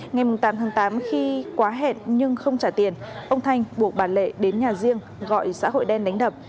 ngày tám tháng tám khi quá hẹn nhưng không trả tiền ông thanh buộc bà lệ đến nhà riêng gọi xã hội đen đánh đập